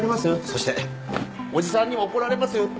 そしておじさんにも怒られますよ。